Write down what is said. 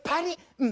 うん。